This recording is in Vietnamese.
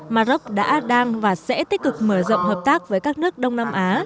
maroc đã đang và sẽ tích cực mở rộng hợp tác với các nước đông nam á